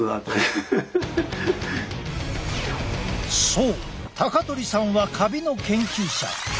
そう高鳥さんはカビの研究者。